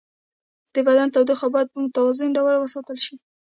د بدن تودوخه باید په متوازن ډول وساتل شي.